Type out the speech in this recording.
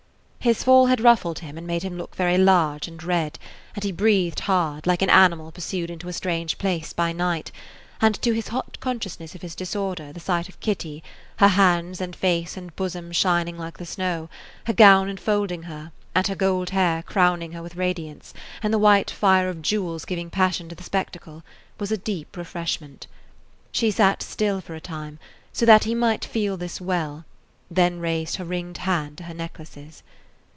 His fall had ruffled him and made him look very large and red, and he breathed [Page 50] hard, like an animal pursued into a strange place by night, and to his hot consciousness of his disorder the sight of Kitty, her face and hands and bosom shining like the snow, her gown enfolding her, and her gold hair crowning her with radiance, and the white fire of jewels giving passion to the spectacle, was a deep refreshment. She sat still for a time, so that he might feel this well, then raised her ringed hand to her necklaces.